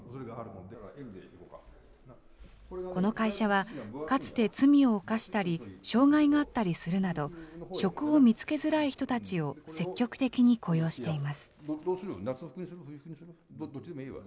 この会社は、かつて罪を犯したり、障害があったりするなど、職を見つけづらい人たちを積極的に雇用しています。